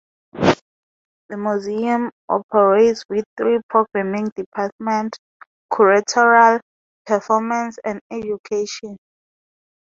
The museum operates with three programming departments: curatorial, performance, and education.